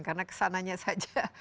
karena kesananya saja